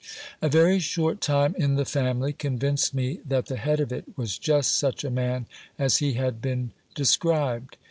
A very short time in the family convinced me that the head of it was just such a man as he had been described.